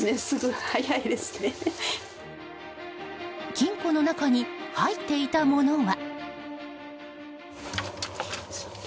金庫の中に入っていたものは？